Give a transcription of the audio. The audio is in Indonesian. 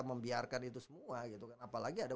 membiarkan itu semua gitu kan apalagi ada